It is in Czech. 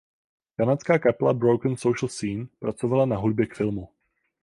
Kanadská kapela Broken Social Scene pracovala na hudbě k filmu.